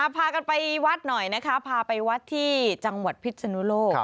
พากันไปวัดหน่อยนะคะพาไปวัดที่จังหวัดพิษนุโลก